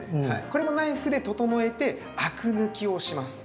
これもナイフで整えてアク抜きをします。